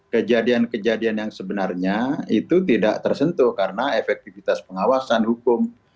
kejadian kejadian yang sebenarnya itu tidak tersentuh karena efektivitas pengawasan hukum